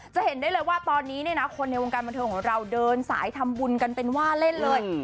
จะเห็นได้เลยว่าตอนนี้เนี่ยนะคนในวงการบันเทิงของเราเดินสายทำบุญกันเป็นว่าเล่นเลย